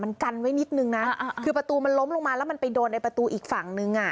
มันกันไว้นิดนึงนะคือประตูมันล้มลงมาแล้วมันไปโดนไอ้ประตูอีกฝั่งนึงอ่ะ